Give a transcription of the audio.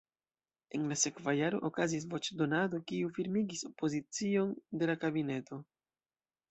En la sekva jaro okazis voĉdonado, kiu firmigis pozicion de la kabineto.